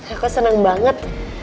aku seneng banget